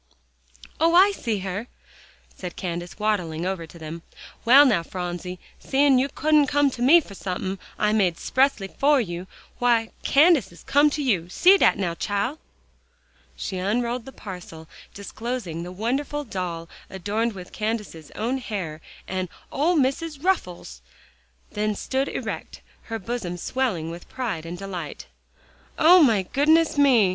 "Oh! I see her," said Candace, waddling over to them. "Well, now, Phronsie, seein' you couldn't come to me for somethin' I made 'xpressly fer you, w'y, Candace has to come to you. See dat now, chile!" She unrolled the parcel, disclosing the wonderful doll adorned with Candace's own hair, and "Ole Missus' ruffles," then stood erect, her bosom swelling with pride and delight. "O my goodness me!"